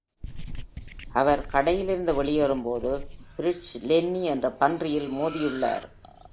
அவர் கடையிலிருந்து வெளியேறும்போது, Fritz Lenny என்ற பன்றியில் மோதியுள்ளார்.